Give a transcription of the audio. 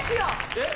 えっ？